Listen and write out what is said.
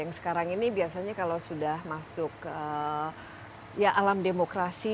yang sekarang ini biasanya kalau sudah masuk alam demokrasi